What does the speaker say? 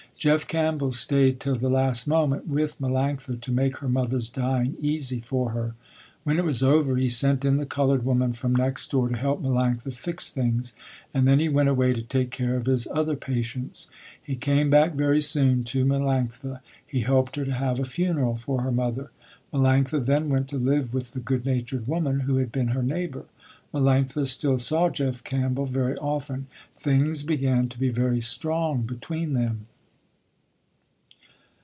Jeff Campbell staid till the last moment, with Melanctha, to make her mother's dying easy for her. When it was over he sent in the colored woman from next door to help Melanctha fix things, and then he went away to take care of his other patients. He came back very soon to Melanctha. He helped her to have a funeral for her mother. Melanctha then went to live with the good natured woman, who had been her neighbor. Melanctha still saw Jeff Campbell very often. Things began to be very strong between them.